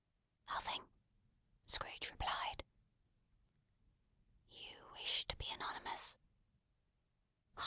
"Nothing!" Scrooge replied. "You wish to be anonymous?"